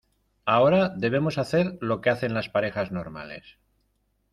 ahora debemos hacer lo que hacen las parejas normales.